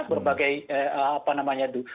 berbagai apa namanya itu